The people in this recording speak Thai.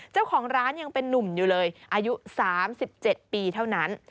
เจ้าของร้านยังเป็นนุ่มอยู่เลยอายุ๓๗ปีเท่านั้น